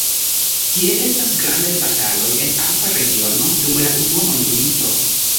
Tie estis grandaj bataloj en alpa regiono dum la unua mondmilito.